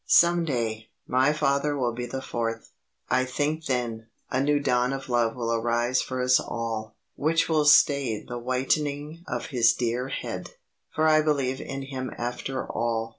Some day, my father will be the fourth. I think then, a new dawn of love will arise for us all, which will stay the whitening of his dear head for I believe in him after all.